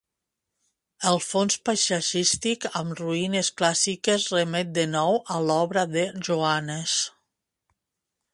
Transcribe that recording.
El fons paisatgístic amb ruïnes clàssiques remet de nou a l'obra de Joanes.